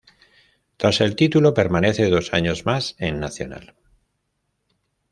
Tras el título permanece dos años más en Nacional.